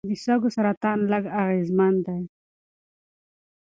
د سږو سرطان لږ اغېزمن دی.